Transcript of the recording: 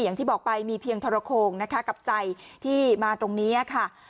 อย่างที่บอกไปมีเพียงทรโคงนะคะกับใจที่มาตรงนี้ค่ะ